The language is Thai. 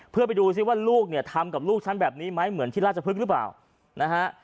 เพื่อไปดูซิว่าลูกเนี่ยทำกับลูกฉันแบบนี้ไหมเหมือนที่ราชพฤกษ์หรือเปล่านะฮะ